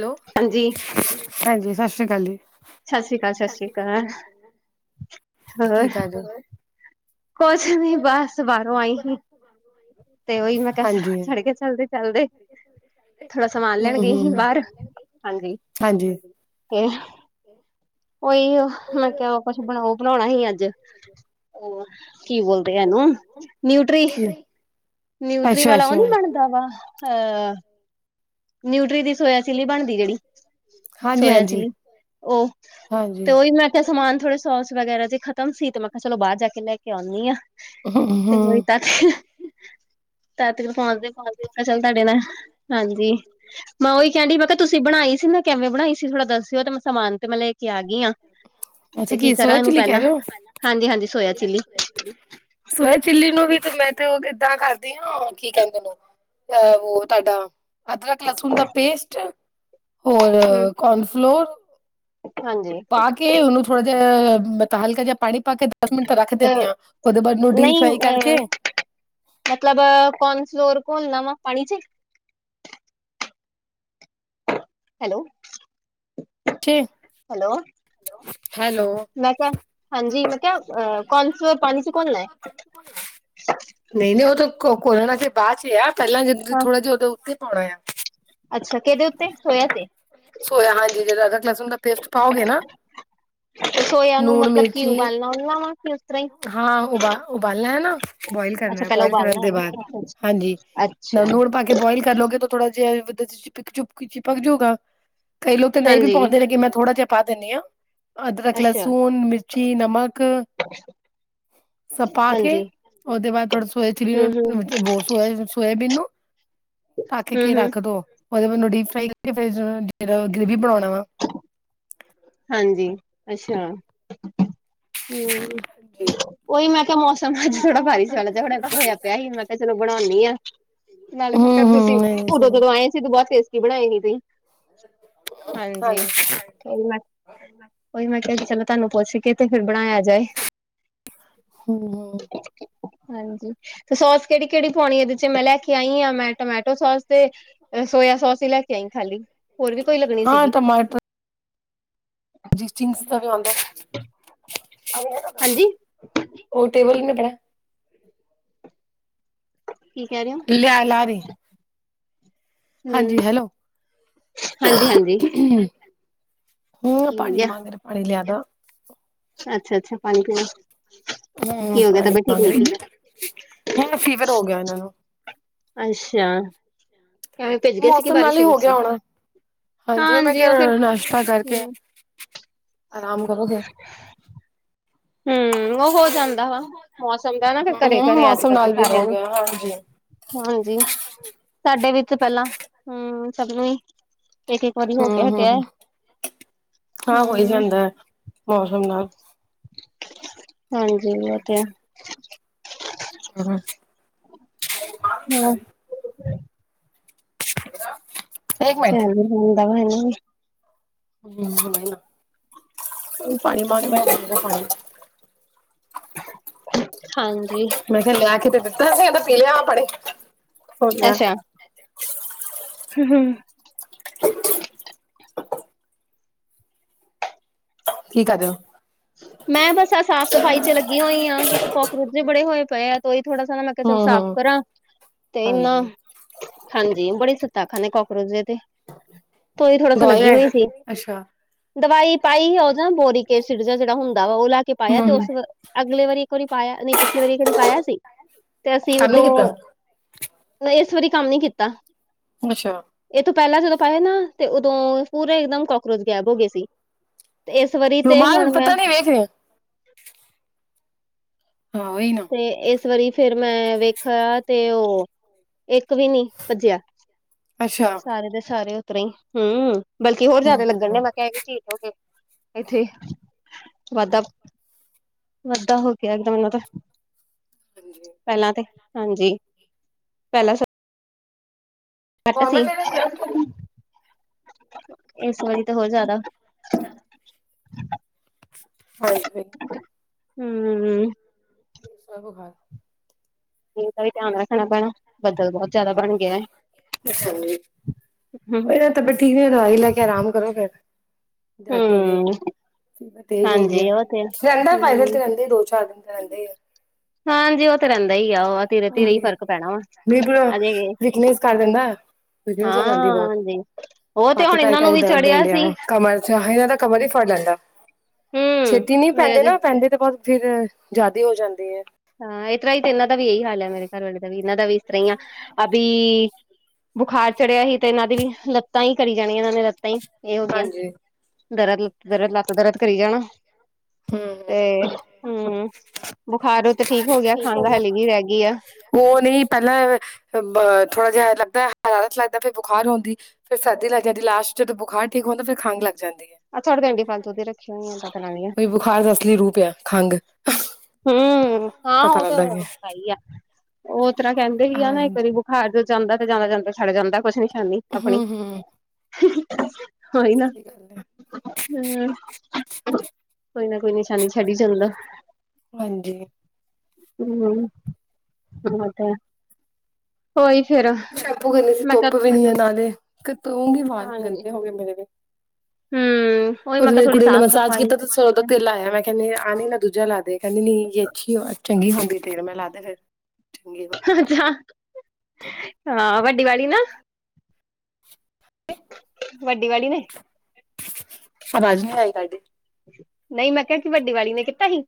Hello. ਹਾਂਜੀ। [inaudible] ਹਾਂਜੀ ਸਾਸ੍ਰੀ ਕਾਲ ਜੀ। ਸਾਸ਼੍ਰੀ ਕਾਲ ਸਾਸ਼੍ਰੀ ਕਾਲ, ਕੀ ਹੋਰ। ਕਰ ਰਹੇ ਹੋ ਕੋਸ਼ ਨੀ ਬਸ ਬਾਹਰੋਂ ਆਈ ਸੀ, ਤੇ ਔਹੀ ਮੈਂ ਕੇ ਆ ਸਾਂ ਹਾਂਜੀ ਚੜ ਗਯਾ ਚਲਦੇ ਚਲਦੇ। ਥੋੜਾ ਸਮਾਨ ਲੈਣ ਹਮ ਗਈ ਸੀ ਹਮ ਬਾਹਰ, ਹਾਂਜੀ ਤੇ ਕਿ [inaudible] ਔਹੀ ਔ, ਮੈਂ ਕਿਹਾ ਕੁਛ ਬਣਾਓ ਬਣਾਉਣਾ ਸੀ ਅੱਜ ਕੀ ਬੋਲਦੇ ਹੈਨੂੰ ਨਿਊਟਰੀ। ਨਿਊਟਰੀ ਅੱਛਾ ਵਾਲਾ ਅੱਛਾ ਔਨੀ ਬਣਦਾ ਹੈਗਾ, ਅਹ ਨਿਊਟਰੀ ਦੀ ਸੋਇਆ ਚਿਲੀ ਬਣਦੀ ਜਿਹੜੀ। ਹਾਂਜੀ ਸੋਇਯ ਹਾਂਜੀ ਚਿਲੀ ਔਹ ਹਾਂਜੀ ਤੇ ਔਹੀ ਮੈਂ ਤੇ ਸਮਾਨ ਥੋੜਾ, ਸੋਸ ਵਗੈਰਾ ਜੇ ਖਤਮ ਸੀ ਤੇ, ਮੈਂ ਕਿਹਾ ਚਲੋ ਬਾਹਰ ਜਾ ਕੇ ਲੈ ਕੇ ਆਉਂਦੀ ਹਾਂ। [inaudible] ਹਮ ਹਮ [unintelligible] ਤਤਿਰ ਪਹੁੰਚਦੇ ਪਹੁੰਚਦੇ ਚੱਲ ਤੁਹਾਡੇ ਨਾਲ ਹਾਂਜੀ ਮੈਂ ਔਹੀ ਕਹਿਡੀ ਮੈਂ ਕਿਹਾ ਤੁਸੀਂ ਬਣਾਈ ਸੀ ਨਾ ਕਿਵੇਂ ਬਣਾਈ ਸੀ। ਥੋੜਾ ਦੱਸਿਓ ਤੇ, ਮੈਂ ਸਮਾਨ ਤੇ ਮੈਂ ਲੈ ਕੇ ਆ ਗਈ ਹਾਂ। ਤੇ ਅੱਛਾ ਕੀ ਕਰਾਂ ਸੋਇਆ ਇਹਨੂੰ ਚਿੱਲੀ ਪਹਿਲਾਂ ਹਾਂਜੀ- ਹਾਂਜੀ ਸੋਇਆ ਚਿੱਲੀ ਸੋਯਾ ਚਿੱਲੀ ਨੂੰ ਵੀ, ਮੈਂ ਤੇ ਔਹ ਏਦਾਂ ਕਰਦੀ ਹਾਂ ਕੀ ਕਹਿੰਦੇ ਔਨੂ ਅ ਉਹ ਤੁਹਾਡਾ ਅਦਰਕ ਲਸੁਣ ਦਾ ਪੇਸਟ ਹੋਰ ਹੂੰ ਕੋਨਫਲੋਰ। ਹਾਂਜੀ ਪਾ ਕੇ ਉਹਨੂੰ ਥੋੜ੍ਹਾ ਜਿਹਾ ਮਲਬ ਹਲਕਾ ਜਿਹਾ ਪਾਣੀ ਪਾ ਕੇ ਦਸ ਮਿੰਟਾਂ ਰੱਖ ਅ ਦਿੰਦੀ ਹਾਂ ਉਹਦੇ ਬਾਅਦ ਉਹ ਡੀਪ ਨਹੀਂ ਫਰਾਈ ਅ ਕਰਕੇ ਮਤਲਬ ਕੌਣ ਫਲੋਰ ਘੋਲ ਨ ਵਾ ਪਾਣੀ ਚ ਹੈਲੋ ਹੈਲੋ ਹੈਲੋ ਮੈਂ ਕਿਹਾ ਹਾਂਜੀ ਮੈਂ ਕਿਹਾ ਅ ਕਨਫਲੋਰ ਪਾਣੀ ਚ ਘੋਲਣਾ ਹੈ। ਹ ਨਹੀਂ ਨਹੀਂ ਉਹ ਤਾਂ ਘੋਲਨਾ ਚ ਬਾਅਦ ਚ ਆ ਪਹਿਲਾਂ ਜ ਹਾਂ। ਥੋੜ੍ਹਾ ਜਿਹਾ ਉਹੋਂ ਉੱਥੇ ਪਾਉਣਾ ਆ ਅੱਛਾ ਕਿਹਦੇ ਸੋਇਆ ਤੇ ਸੋਇਆ ਹਾਂਜੀ ਜਿਹੜਾ ਅਦਰਕ ਲਸਣ ਦਾ ਪੇਸਟ ਪਾਓਗੇ ਨਾ ਲੂਣ ਮਿਰਚੀ ਲ ਮੀ ਉਸ ਤਰ ਹੀ ਹਾਂ ਉਬਾਲ ਉਬਾਲਣਾ ਹੈ ਨਾ ਬੋਇਲ ਅੱਛਾ ਕਰਨਾ ਪਹਿਲਾਂ ਬੁਇਲ ਕਰਨ ਉਬਾਲਣਾ ਹੈ ਦੇ ਬਾਅਦ ਨਾ ਹਾਂਜੀ। ਅੱਛਾ ਨੂਣ ਪਾ ਕੇ ਬੋਇਲ ਕਰ ਲਓਗੇ ਤਾਂ ਥੋੜਾ ਜਿਹਾ ਚਪ ਚੁਪਕ ਚਿਪਕ ਜਾੂਗਾ। ਕਈ ਲੋਕ ਤਾਂ ਇਹ ਵੀ ਹਾਂਜੀ ਪਾਉਂਦੇ ਨੇ ਕਿ ਮੈਂ ਥੋੜ੍ਹਾ ਜਿਹਾ ਪਾ ਦਿੰਦੀ ਹਾਂ। ਅਦਰਕ ਲਸੂਣ ਮਿਰਚੀ ਨਮਕ ਅੱ ਸ ਪਾ ਕੇ ਉਹਦੇ ਬਾਅਦ ਥੋੜਾ ਸੋਏ ਚਿਲੀ ਹੂੰ ਹੂੰ ਨੂੰ ਸੋਇ ਸੋਇਬੀਨ ਨੂੰ ਤਾਂ ਕੇ ਹੂੰ ਕੀ ਹੂੰ ਰੱਖਦੋ? [unintelligible] ਹਾਂਜੀ ਅੱਛਾ ਹਮ। ਜੀ। ਉਹੀ ਮੈਂ ਕਿਹਾ ਮੌਸਮ ਅੱਜ ਥੋੜ੍ਹਾ ਬਾਰਿਸ਼ ਵਾਲਾ ਹੋਆ ਹਾ ਥੋੜਾ ਹੋਇਆ ਪਿਆ ਸੀ ਮੈਂ ਕਿਹਾ ਚਲੋ ਬਣਾਉਂਦੀ ਹਾਂ। ਨਾਲੇ ਹੂੰ ਮ ਤੁਸੀਂ ਹੂੰ ਇਹ ਉਦੋਂ ਸਹੀ ਜਦੋਂ ਆਏ ਸੀ ਤ ਬਹੁਤ ਸੇਸਟੀ ਬਣਾਏ ਨ ਤੁਸੀ ਹਾਂਜੀ ਕੋਈ ਮੈਂ ਕਿਹਾ ਕਿ ਚਲੋ ਤੁਹਨੂੰ ਪੁੱਛ ਕੇ ਤੇ ਫੇਿਰ ਬਣਾਇਆ ਜਾਏ। ਹਮ ਹਮ ਹਾਂਜੀ ਤੇ ਸੋਸ ਕਿਹੜੀ ਕਿਹੜੀ ਪਾਉਣੀ ਇਹਦੇ ਚ ਮੈਂ ਲੈ ਕੇ ਆਈ ਆ ਮੈਂ ਟਮੈਟੋ ਸੋਸ ਤੇ ਸੋਇਆ ਸੋਸ ਹੀ ਲੈ ਕੇ ਆਈ ਖਾਲੀ ਹੋਰ ਵੀ ਕੋਈ ਲੱਗਣੀ ਹਾਂ ਸੀਗੀ। ਜਿਸਿੰ ਹ ਹਾਂਜੀ ਉਹ ਟੇਬਲ ਵੀ ਨ ਪੜਾ ਕੀ ਕਹਿ ਰਹੇ ਹੋ? ਲਿਆ ਲਾ ਰਹੀ ਹਮ ਹਾਂਜੀ ਹੈਲੋ ਹਾਂਜੀ-ਹਾਂਜੀ। ਹੂੰ ਪਾਣੀ ਮਾਂਗਰੇ ਪਾਣੀ ਲਿਆਦਾਂ। ਅੱਛਾ-ਅੱਛਾ ਪਾਣੀ ਪੀਣਾ। ਹਮ ਕੀ ਹੋ ਗਿਆ ਪਾਣੀ ਤਬੀਅਤ ਠੀਕ ਮੰਗ ਨੀ ਸੀ ਰਹੀ ਹੈ ਹੁਣ ਫੀਵਰ ਹੋ ਗਿਆ ਇਹਨਾਂ ਨੂੰ। ਅੱਛਾ। ਕਿਵੇਂ ਭਿੱਜ ਗਏ ਸੀ ਕਿ ਮੌਸਮ ਨਾਲ ਬਾਰਿਸ਼ ਹੀ ਹੋ ਵਿੱਚ ਗਿਆ ਹੋਣਾ। ਹਾਂਜੀ ਓਹੀ ਮੈਂ ਉਹ ਫਿਰ ਕਿਹਾ ਨਾਸ਼ਤਾ ਕਰਕੇ ਹਮ ਆਰਾਮ ਕਰੋਗੇ। ਹਮ। ਹੂੰ ਹੂੰ ਮੌਸਮ ਨਾਲ ਵੀ ਹੋ ਗਿਆ [unintelligible] ਹਾਂਜੀ। ਹਾਂਜੀ ਸਾਡੇ ਵਿੱਚ ਪਹਿਲਾਂ ਹਮ ਸਭ ਨੂੰ ਹੀ। ਇੱਕ-ਇੱਕ ਵਾਰੀ ਹੋ ਕੇ ਹਟਿਆ ਹਮ-ਹਮ ਹਾਂ ਹੋ ਹੀ ਹੂੰ, ਜਾਂਦਾ ਹੈ ਮੌਸਮ ਨਾਲ। [inaudible] ਹਾਂਜੀ ਇਹ ਤੇ ਹੈ। ਹਮ। [inaudible] ਕਿਦਾ। [unintelligible] [unintelligible] ਹਾਂਜੀ। ਮੈਂ ਕਿਹਾ ਲਿਆ ਕੇ ਤੇ ਦਿੱਤਾ ਸੀ। ਪੀ ਲੀਆ ਵਾ ਪਾਣੀ ਹੋ ਗਿਆ। ਹਮ-ਹਮ। ਕੀ ਕਰ ਰਹੇ ਹੋ? ਮੈਂ ਬਸ ਆ ਸਾਫ਼ ਸਫ਼ਾਈ ਚ ਲੱਗੀ ਹੋਈ ਹਾਂ। ਕਾਕਰੋਚ ਵੀ ਬੜੇ ਹੋਏ ਪਏ ਆ। ਕਈ ਥੋੜਾ ਜਾਂ। ਮੈਂ ਕਿਹਾ ਚਲੋ ਹਮ ਸਾਫ਼ ਹਮ ਕਰਾਂ। ਤੇ ਇਹਨਾ ਹਾਂਜੀ ਹਾਂਜੀ ਬੜੇ ਸੱਤਾ ਖਾਂਦੇ ਕਾਕਰੋਚ ਜਿਹੇ ਦੇ ਤੇ। ਦਵਾਈ ਲੈ [unintelligible] ਅੱਛਾ ਹਮ ਦਵਾਈ ਪਾਈ ਉਹ ਜਾਂ 'ਬੋਰਿਕ ਐਸਿਡ' ਜਿਹੜਾ ਹੁੰਦਾ ਵਾ। ਉਹ ਲੈ ਕੇ ਪਾਇਆ ਤੇ ਉਸ। ਹਮ ਅਗਲੇ ਵਾਰੀ ਇੱਕ ਵਾਰੀ ਪਾਇਆ ਨਹੀਂ ਪਿਛਲੀ ਵਾਰੀ ਇੱਕ ਵਾਰੀ ਪਾਇਆ ਸੀ। ਤੇ ਅਸੀਂ ਕੰਮ ਨੀ ਉਦੋਂ। ਕੀਤਾ ਨਹੀਂ। ਇਸ ਵਾਰੀ ਕੰਮ ਨੀ ਕੀਤਾ। ਅੱਛਾ। ਇਹ ਤੋਂ ਪਹਿਲਾਂ ਜਦੋਂ ਪਾਏ ਨਾ। ਤੇ ਉਦੋਂ ਪੂਰੇ ਇਕਦਮ ਕਾਕਰੋਚ ਗਾਇਬ ਹੋ ਗਏ ਸੀ। ਤੇ ਇਸ ਵਾਰੀ ਤੇ ਰੁਮਾਲ ਹੁਣ ਮੈਂ। ਪਤਾ ਨੀ ਵੇਖ ਰਹੇ ਹਾਂ ਓਹੀ ਨਾ। ਤੇ ਇਸ ਵਾਰੀ ਫੇਰ ਮੈਂ ਵੇਖਿਆ ਤੇ। ਉਹ ਇੱਕ ਵੀ ਨੀ ਭੱਜਿਆ। ਅੱਛਾ ਸਾਰੇ ਦੇ ਸਾਰੇ ਉਦਰੋ ਹੀ ਹਮ। ਬਲ ਕਿ ਹੋਰ ਹਮ ਜਿਆਦਾ ਲੱਗਣ ਹਮ ਨੇ। ਮੈਂ ਕਿਹਾਹਿ ਹੋ ਕੇ ਇੱਥੇ ਵੱਧ ਵੱਧਾ ਹੋ ਗਿਆ ਇੱਕਦਮ ਇਹਨਾਂ ਤੇ। ਹਾਂਜੀ ਪਹਿਲਾਂ ਤੇ ਹਾਂਜੀ। ਪਹਿਲਾਂ ਘੱਟ ਸੀ। ਨੋਰਮਲ ਹਾਂਜੀ ਇਸ ਵਾਰੀ ਤਾਂ ਹੋਰ ਜ਼ਿਆਦਾ। [inaudible] ਹਾਂਜੀ। ਹਮ। ਸਭ ਘਰ। ਮੀਂਹ ਦਾ ਵੀ ਧਿਆਨ ਰੱਖਣਾ ਪੈਣਾ, ਬੱਦਲ ਬਹੁਤ ਜਿਆਦਾ ਬਣ ਗਿਆ ਹੈ। ਅੱਛਾ ਜੀ। ਜੇ ਨਾ ਤਬੀਅਤ ਠੀਕ ਨਹੀਂ ਦਵਾਈ ਲੈ ਕੇ ਆਰਾਮ ਕਰੋ। ਫੇਰ ਹੋ ਗਏ। ਹੂੰ, ਤੇਜ਼ ਹੋ ਗਈ ਆ। ਹਾਂਜੀ ਉਹ ਤੇ ਰਹਿੰਦਾ ਫਾਈਨਲ ਤੇ ਹੂੰ, ਰਹਿੰਦੇ ਦੋ-ਚਾਰ ਦਿਨ ਤੇ ਰਹਿੰਦੇ ਆ। ਹਾਂਜੀ ਉਹ ਤੇ ਰਹਿੰਦਾ ਹੀ ਆ ਲ ਉਹ ਧੀਰੇ-ਧੀਰੇ ਹੀ ਹਾਂਜੀ। ਫ਼ਰਕ ਪੈਣਾ ਵਾ ਬਿਲਕੁਲ ਆਜੇਗੀ। ਵੀਕਨੈਸ ਕਰ ਦਿੰਦਾ ਹੋ ਜਾਂਦੀ। ਬਹੁਤ ਉਹ ਤੇ ਹੱਥ ਹੁਣ ਪੈ ਇਹਨਾਂ ਨੂੰ ਕੇ ਵੀ ਦਰਦ ਦੇਣ ਚੜਿਆ ਸੀ ਡਿਆ। ਕਮਰ ਚ ਤਾਂ ਕਮਰ ਹੀ ਫੜ ਲੈਂਦਾ। ਹੂੰ, ਛੇਤੀ ਨੀ ਮੇਰੇ ਪੈਂਦੇ ਨਾ ਪੈਂਦੇ ਤੇ ਬਹੁਤ ਫਿਰ ਜ਼ਿਆਦੇ ਹੋ ਜਾਂਦੇ ਹੈ। ਹਾਂ। ਇਸ ਤਰ੍ਹਾਂ ਹੀ ਤੇ ਇਹਨਾਂ ਦਾ ਵੀ ਇਹੀ ਹਾਲ ਆ ਮੇਰੇ ਘਰਵੇ ਦਾ ਵੀ ਇਹਨਾਂ ਦਾ ਵੀ ਇਸ ਤਰ੍ਹਾਂ ਹੀ ਆ। ਅਭੀ ਬੁਖਾਰ ਚੜਿਆ ਹੀ ਤੇ ਇਹਨਾਂ ਦੀ ਵੀ ਲੱਤਾਂ ਹੀ ਕਰੀ ਜਾਣੀਆਂ। ਇਹਨਾਂ ਨੇ ਲੱਤਾਂ ਹੀ ਇਹੋਗਆਂ। ਹਾਂਜੀ। ਦਰਦ ਲ ਦਰਦ ਲਾ ਦਰਦ ਕਰੀ ਜਾਣਾ। ਹੂੰ ਤੇ ਹਮ ਬੁਖਾਰ ਤੇ ਠੀਕ ਹੋ ਗਿਆ। ਖੰਘ ਹਲੀ ਵੀ ਰਹਿ ਗਈ ਆ। ਉਹ ਨਹੀਂ ਪਹਿਲਾਂ ਥੋੜਾ। ਜਿਹਾ ਲੱਗਦਾ ਹਰਾਰਤ ਲੱਗਦਾ ਫਿਰ ਬੁਖਾਰ ਹੁੰਦੀ। ਫੇ ਸਰਦੀ ਲੱਗ ਜਾਂਦੀ ਲਾਸਟ। ਜਦੋਂ ਬੁਖਾਰ ਠੀਕ ਹਦਾ ਫਿਰ ਖੰਘ ਲੱਗ ਜਾਂਦੀ ਹੈ। ਆਹਥੋੜੇ ਅੰਡੀ ਫਲ ਤੂਦੀ ਰੱਖ ਹੋਈਆ ਪਤਾਂ ਦੀਆਂ। ਕੋਈ ਬੁਖਾਰ ਦਾ ਅਸਲੀ ਰੂਪ ਹੈ। ਖੰਘ ਹਮ ਹਾਂ ਪਤਾ ਉਹ ਤਾਂ ਲੱਗਦਾ ਕਿ ਹੈ ਹੀ ਆ। ਉਹ ਤਰ੍ਹਾਂ ਕਹਿੰਦੇ ਵੀ ਆ ਨਾ। ਇੱਕ ਹਾਂਜੀ। ਵਾਰੀ ਹਰ ਜੋ ਜਾਂਦਾ ਤੇ ਜਾਂਦਾ ਜਾਂਦਾ ਛੱਡ ਜਾਂਦਾ। ਕੁਛ ਨੀ ਛਦੀ ਆਪਣੀ ਹੂੰ-ਹੂੰ, ਹਾਂ ਇਹ ਨਾ। ਸਹੀ ਗੱਲ ਹੈ, ਹਮ, ਕੋਈ ਨਾ ਕੋਈ ਨਿਸ਼ਾਨੀ ਛੱਡੀ ਜਾਂਦਾ। ਹਾਂਜੀ। ਹਮ ਮ [unintelligible] ਤੇ ਸ਼ੈਪੂ ਕਰਨੀ ਸੀ ਮੈਂ ਕਿਹਾ ਧੁੱਪ ਵੀ ਨੀ ਹੈ ਨਾਲੇ, ਧੋਓ ਗੀ ਵਾਲ ਗੰਦੇ ਹੋ ਗਏ ਮੇਰੇ ਦੇ। ਹਮ। ਉਦੋ ਮੇਰੀ ਕੁੜੀ ਨੇ ਮਸਾਜ ਕੀਤਾ ਤੇ ਸਰੋ ਦਾ ਜਾ ਤੇਲ ਲਾਇਆ ਮੈਂ ਕਿਹਾ ਨਈ ਆ ਨਈ ਨਾ ਦੂਜਾ ਲਾ ਦੇ ਕਹਿੰਦੀ ਨਹੀਂ ਏ ਅੱਛੀ ਚੰਗੀ ਹੁੰਦੀ ਫੇਰ ਮੈਂ ਲਾਦੇ ਫਿਰ ਚੰਗੀ ਹਾਂ, ਵੱਡੀ ਵਾਲੀ ਨਾ। ਵੱਡੀ ਵਾਲੀ ਨੇ ਆਵਾਜ਼ ਨਹੀਂ ਆਈ ਤੁਹਾਡੀ। ਨਹੀਂ, ਮੈਂ ਕਿਹਾ ਵੱਡੀ ਵਾਲੀ ਨੇ ਕੀਤਾ ਸੀ?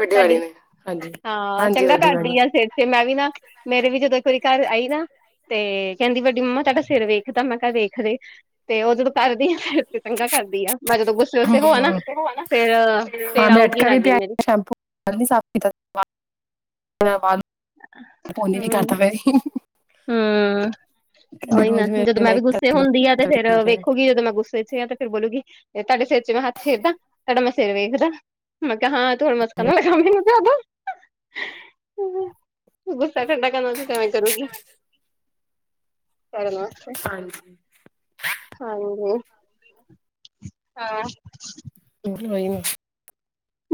ਵੱਡੇ ਵਾਲੀ ਤੁਹਾਡੀ, ਨੇ ਹਾਂਜੀ। ਹਾਂ ਹਾਂਜੀ ਚੰਗਾ ਵੱਡੀ ਵਾਲੀ ਕਰਦੀ ਆ ਫਿਰ। ਫੇਰ, ਮੈਂ ਵੀ ਨਾ ਮੇਰੇ ਵੀ ਜਦੋਂ ਇੱਕ ਵਾਰੀ ਘਰ ਆਈ ਨਾ। ਤੇ ਕਹਿੰਦੀ ਵੱਡੀ ਮੰਮਾ ਤੁਹਾਡਾ ਸਿਰ ਵੇਖ ਦਾ? ਮੈਂ ਕਿਹਾ, ਵੇਖਦੇ ਤੇ ਉਹ ਜਦੋਂ ਕਰਦੀ ਆ ਤੇ ਤੰਗਾ ਕਰਦੀ ਆ ਮੈਂ ਜਦੋਂ ਗੁੱਸ ਹਮ ਹਾਂ ਬ ਆਊਗੀ ਅਟਕਾ ਵੀ ਲਾਗੇ ਪਿਆ ਮੇਰੇ [unintelligible] ਸ਼ਪੂ ਸਾਫ਼ ਕੀਤਾ ਸੀ [unintelligible] ਫੋਨ ਈ ਨੀ ਵ ਹੁੰ, ਉਹੀ ਨਾ ਰੋਜ਼ ਜਦੋਂ ਮੈਂ ਵੀ ਗੁੱਸੇ ਹੁੰਦੀ ਆ ਤੇ ਫੇਰ ਠੀਕ ਹੈ ਵੇਖੋਗੀ ਓਦੋ ਮੈਂ ਗੁੱਸ ਇੱਥੇ ਆ ਤੇ ਫਿਰ ਬੋਲਗੀੀ ਤੁਹਾਡੇ ਸਿਰ ਚ ਮੈਂ ਹੱਥ ਫੇਰ ਦਾਂ ਤੁਹਾਡਾ ਮ ਸਿਰ ਵੇਖਦਾ? ਮੈਂ ਕਿਹਾ ਹਾਂ, ਤੂੰ ਹੁਣ ਮਸਕਾ ਨਾ ਲਗਾ ਮੈਨੂੰ ਜ਼ਿਆਦਾ। ਗੁੱਸਾ ਠੰਡਾ ਕਰਨਾ, ਕੈਵੇ ਕਰੂਗੀ? ਕਰਨ ਵਾਸਤੇ। ਹਾਂਜੀ। ਹਾਂਜੀ, ਹਾਂ। ਹੋਈ ਨਹੀਂ, [unintelligible]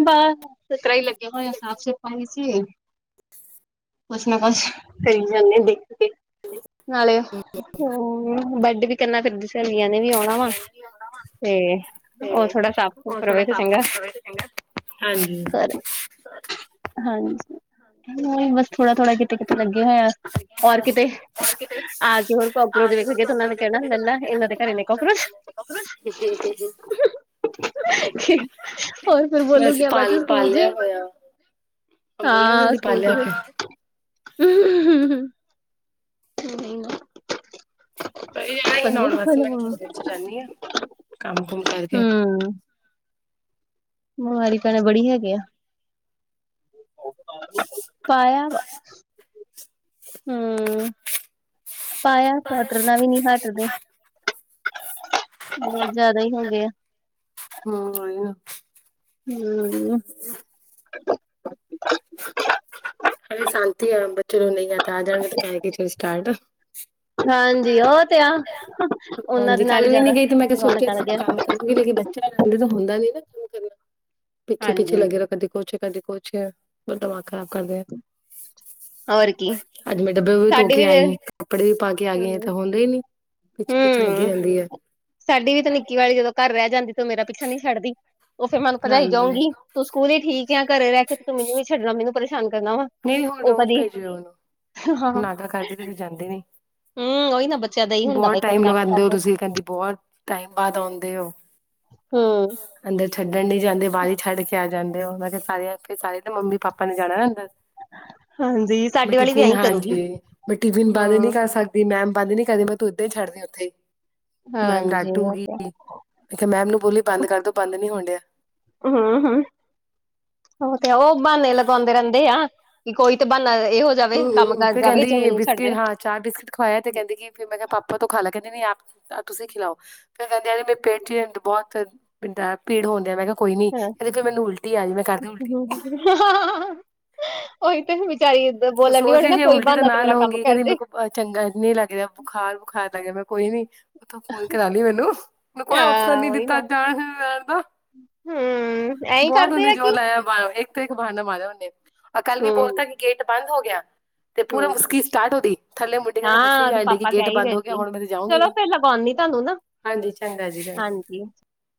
ਬਸ ਇਸ ਤਰ੍ਹਾਂ ਹੀ ਲੱਗੇ ਹੋਇ ਆ ਸਾਫ਼ ਸਫ਼ਾਈ ਕੁਛ ਨਾ ਬਸ, ਕਰੀ ਜਾਂਦੇ ਦੇਖ ਕੇ। ਨਾਲੇ, ਹੁੰ ਬੈਡ ਵੀ ਕਰਨਾ ਫਿਰ ਸਹੇਲੀਆਂ ਨੇ ਵੀ ਆਣ ਰਵਾ ਤੇ ਉਹ ਥੋੜਾ ਸਾਫ ਸੁਫ ਰਵੇ, ਤਾਂ ਚੰਗਾ। [inaudible] ਹਾਂਜੀ। ਹੋਰ, ਹਾਂਜੀ। ਓਂਈ ਬਸ ਥੋੜਾ ਥੋੜਾ, ਕਿਤੇ ਕਿਤੇ, ਲੱਗੇ ਹੋਏ ਓਰ ਕਿਤੇ। ਆ ਕੇ ਹੋਰ ਕਾਕਰੋਚ ਵੇਖ ਗੇ ਤੇ ਉਹਨਾਂ ਨੇ ਕਹਿਣਾ ਲਲਾ ਇਹਨਾਂ ਦੇ ਘਰੇ ਨੇ ਕਾਕਰੋਚ? ਹੇ, ਹੇ, ਹੇ ਹੁ ਹੈਗੇ ਆ ਹਾਹਾ। ਹੋਰ ਫਿਰ ਬੋਲੂਗੀ ਬਾਚੇ [unintelligible] ਸਕੂਲ ਚ? ਹੋਇਆ ਅੰਬੂਲੈਂਸ ਹਾਂ, ਅਸੀਂ ਸਕੂਲ ਚ ਪਾਲਿਆ ਫਿਰ। ਹੋਇਆ। [inaudible] ਅਹੀ ਜਾਨਾ ਪਤਾ ਸੀ ਨੀ ਨਾਉਣ ਕਿੱਥੋਂ ਵਾਸਤੇ ਲਵਾਂ ਮੈ ਜਾਂਦੀ ਹਾਂ, ਕੰਮ ਕੁਮ ਕਰਕੇ। ਹੂੰ ਬਿਮਾਰੀ ਭੈਣੇ ਬੜੀ ਹੈਗੇ ਆ। ਪਾਇਆ ਵ ਹੁੰ, ਪਾਇਆ ਪੋਡਰ ਨਾਲ ਵੀ ਨਹੀਂ ਹਟਦੇ। ਬਹੁਤ ਜਿਆਦਾ ਹੀ ਹੋ ਗੇ ਆ। ਹੂੰ, ਹੋ ਨਾ। [unintelligible] ਹੂੰ, [unintelligible] ਹਲੇ, ਸ਼ਾਂਤੀ ਆ ਬੱਚੇ ਨੂੰ ਨਹੀਂ ਆ ਤਾਂ ਆ ਜਾ ਗੇ ਤੇ ਕਹਿ ਸਟਾਰਟ। ਹਾਂਜੀ ਉਹ ਤੇ ਆ ਉਹਨਾਂ ਦੇ ਹਾਂਜੀ, ਨਾਲ ਕੱਲ ਹੀ ਵੀ ਜ਼ਿਆਦਾ ਨੀ ਗਈ ਤੇ ਮੈਂ ਕਿਹਾ ਸੋਚਿਆ ਰੌਣਕਾਂ ਸੀ ਲੱਗਿਆ ਕੰਮ ਕਰਗੀ ਲੇਕਿਨ ਬੱਚਾ ਰਹਿੰਦੇ ਤਾਂ ਹੁੰਦਾ ਨੀ ਨਾ ਕੰਮ ਕਰਨਾ ਪਿੱਛੇ, ਪਿੱਛੇ ਹਾਂਜੀ ਲੱਗੇ ਰੋ ਕਦੇ ਕੁਛ ਕਦੇ ਕੁਛ, ਦਿਮਾਗ ਖ਼ਰਾਬ ਕਰਦੇ। ਹੋਰ ਕੀ ਅੱਜ, ਮੈਂ ਡੱਬੇ ਵੀ ਧੋ ਕੇ ਆਈ ਹ ਕੱਪੜੇ ਵੀ ਪਾ ਕੇ ਆ ਗਈ ਆਂ ਹਮ ਤੇ ਹੁੰਦੇ ਹੀ ਨੀ, ਪਿੱਛੇ, ਪਿੱਛੇ ਲੱਗੀ ਹਮ ਰਹਿੰਦੀ ਹੈ। ਸਾਡੀ ਵੀ ਤੇ ਨਿੱਕੀ ਵਾਲੀ ਜਦੋਂ ਘਰ ਰਹਿ ਜਾਂਦੀ ਤੇ ਉਹ ਮੇਰਾ ਪਿੱਛਾ ਨਹੀਂ ਛਡਦੀ ਉਹ ਫੇਰ ਮੈਨੂੰ ਭਜਾਈ ਹਾਂਜੀ ਜਾਊਂਗੀ। ਤੂੰ ਸਕੂਲ ਹੀ ਠੀਕ ਆ ਘਰੇ ਰਹਿ ਕੇ ਤੇ ਤੂੰ ਮੈਨੂੰ ਛੱਡਣਾ ਮੈਨੂੰ ਪਰੇਸ਼ਾਨ ਕਰਨਾ ਵਾ। ਨਹੀਂ, ਹੁਣ ਉਹ ਰੋਜ਼ ਕਦੀ ਭੇਜਿਓ ਹਾਂ ਉਹਨੂੰ ਨਾ ਤਾਂ ਕਰਦੇ ਤੇ ਫੇਰ ਜਾਂਦੇ ਨੀ। ਹਮ ਉਹੀ ਨਾ ਬੱਚਿਆਂ ਦਾ ਹੀ ਹੁੰਦਾ ਵਾ ਬਹੁਤ ਕਦੀ ਟਾਈਮ ਨਾਟਕ ਲਗਾਉਂਦੇ ਹੋ। ਕਰਦੇ ਤੁਸੀਂ ਕਹਿੰਦੇ ਔ ਬਹੁਤ ਟਾਈਮ ਬਾਅਦ ਆਉਂਦੇ ਔ। ਹਮ ਅੰਦਰ ਛੱਡਣ ਨ ਨਹੀਂ ਜਾਂਦੇ ਬਾਹਰ ਛੱਡ ਕੇ ਆ ਜਾਂਦੇ। ਉਹ ਕਿਹਾ ਸਾਰੇ ਸਾਰੇ ਮੰਮੀ- ਪਾਪਾ ਨੇ ਜਾਣਾ ਹੁੰਦਾ। ਹਾਂਜੀ ਮੈਂ ਸਾਡੇ ਵਾਲੀ ਵੀ ਟਿਫਿਨ ਐਈ ਕਰੂਗੀ ਹਾਂਜੀ। ਮੈਂ ਟਿਫਿਨ ਬਾਦ ਨਹੀਂ ਹਮ ਕਰ ਸਕਦਾ। ਦੀ ਮੈਮ ਬੰਦ ਨੀ ਕਰਦੀ। ਮੈਂ ਤੂੰ ਏਦਾਂ ਹੀ ਛੱਡਦੀ ਉੱਥੇ ਮੈਮ ਹਾਂਜੀ ਡੱਟੂਗੀ। ਹਮ ਮੇਮ ਕਿਹਾ ਮੈਮ ਨੂੰ ਬੋਲੀ ਬੰਦ ਕਰਦੋ ਬੰਦ ਨੀ ਹੋਣ ਡਿਆ। ਹੂੰ-ਹੂੰ। ਹੋ ਤੇ ਉਹ ਬਹਾਨੇ ਲਗਾਵਾਉਂਦੇ ਰਹਿੰਦੇ ਆ। ਕਿ ਕੋਈ ਤੇ ਬਹਾਨਾ ਇਹ ਹੂੰ ਫਿਰ ਕਹਿੰਦੀ ਬਿਸਕਿਟ ਹਾਂ। ਚਾਰ ਬਿਸਕੀਟ ਖਵਾਇਆ ਤੇ ਕਹਿੰਦੇ ਕਿ ਮੈਂ ਕਿਹਾ ਪਾਪਾ ਤੋਂ ਖਾ ਲਾ ਕਹਿੰਦੇ। ਆਪ ਤੁਸੀਂ ਖਿਲਾਓ। ਫਿਰ ਕਹਿੰਦੇ ਯੀ ਮੇਰੇ ਪੇਟ ਚ ਬਹੁਤ ਬਦਾ ਭੀੜ ਹੁੰਦੀ ਆ। ਮੈਂ ਕਿਹਾ ਕੋਈ ਨੀ ਹਾਂ ਕਹਿੰਦੇੇ ਮੈਨ ਉਲਟੀ ਆ ਜਾਈ। ਮੈਂ ਕਰ ਉਲਟੀ ਉਹੀ ਤੇ ਬਚਾਰੀ ਬੋਲਣ ਡ ਹੋਣੀ ਨਾ ਕੋਈ ਬਹਾਨਾ ਤੇ ਮੇਰਾ ਕੰਮ ਕਰਦੇ। ਚੰਗਾ ਨੀ ਲੱਗਦਾ ਬੁਖਾਰ ਬੁਖਾਰ ਲੱਗ ਗਿਆ। ਮੈਂ ਕੋਈ ਨੀ ਉਥੋਂ ਫੋਨ ਕਰਾ ਲਈ ਮੈਨੂੰ। ਮਨੂੰ ਕੋਈ ਓਪਸ਼ਨ ਹਾਂ ਨੀ ਉਹੀ ਦਿੱਤਾ ਨਾ ਜਾਣ ਜਾਣ ਦਾ। ਹਮ ਐਈ ਬਹੁਤ ਕਰਦੇ ਉਹਨੇ ਆ ਜੋਰ ਕਿ ਲਾਇਆ। ਇੱਕ ਤੋਂ ਇੱਕ ਬਹਾਨਾ ਮਾਰਿਆ ਹਨੇ। ਆਹ ਕੱਲ ਵੀ ਬੋਲ ਹਮ ਤੱਕ ਗੇਟ ਬੰਦ ਹੋ ਗਿਆ। ਤੇ ਪੂਰੇ ਹਮ ਮੁਸਕੀ ਸਟਾਰਟ ਹੋਗੀ। ਥੱਲੇ ਮੁੰਡੇ ਕਰਕੇ ਹਸੀ ਹਾਂ ਉਹਦੇ ਜਾਣ ਡਗੀ ਪਾਪਾ ਗੇਟ ਕਹਿ ਹੀ ਬੰਦ ਰਹੇ ਹੋ ਗਿਆ। ਸੀ ਹੁਣ ਮੈਂ ਤੇ ਜਾਊਂਗੀ ਚਲੋ ਫੇਰ ਲਗਾਉਂਦੀ ਤੁਹਾਨੂੰ ਨਾ ਹਾਂਜੀ। ਚੰਗਾ ਜੀ ਚੰਗਾ ਐ। ਹਾਂਜੀ